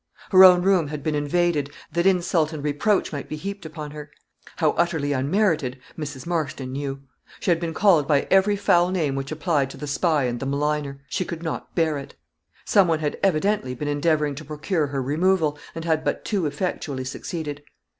Her own room had been invaded, that insult and reproach might be heaped upon her; how utterly unmerited Mrs. Marston knew. She had been called by every foul name which applied to the spy and the maligner; she could not bear it. Some one had evidently been endeavoring to procure her removal, and had but too effectually succeeded.